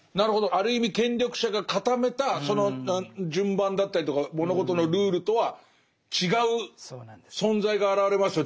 ある意味権力者が固めたその順番だったりとか物事のルールとは違う存在が現れますよ